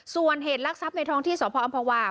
ส่วนเหตุรักษัพในทองที่สอัมพวา